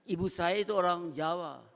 ibu saya itu orang jawa